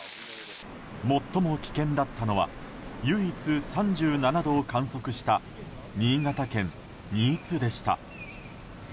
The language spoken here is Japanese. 最も危険だったのは唯一３７度を観測した新潟県新津でした。